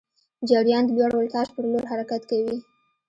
جریان د لوړ ولتاژ پر لور حرکت کوي.